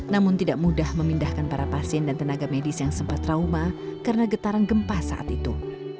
namun tidak mudah memindahkan para pasien dan tenaga medis yang sempat trauma karena getaran gempa saat itu